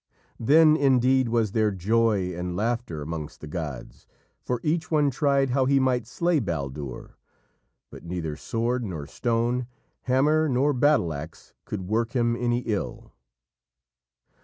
Then indeed was there joy and laughter amongst the gods, for each one tried how he might slay Baldur, but neither sword nor stone, hammer nor battle axe could work him any ill.